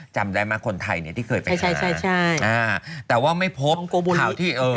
จำได้มาคนไทยที่เคยเป็นฮะ